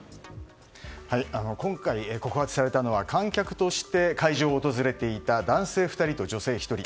今回、告発されたのは観客として会場を訪れていた男性２人と女性１人。